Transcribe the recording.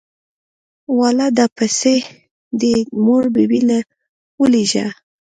واله دا پيسې دې مور بي بي له ولېږه.